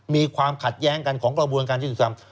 มีความขัดแย้งกันของกระบวนการยุติธรรม